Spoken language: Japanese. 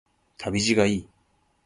旅路がいい